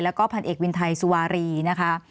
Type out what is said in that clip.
แล้วก็พันเอกวินไทยสุวารีนะคะ